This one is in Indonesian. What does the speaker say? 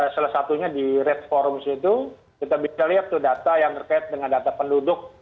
salah satunya di red forum itu kita bisa lihat tuh data yang terkait dengan data penduduk